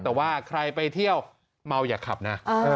แต่ว่าใครไปเที่ยวเมาอย่าขับนะ